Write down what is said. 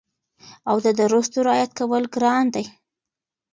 او د درستو رعایت کول ګران دي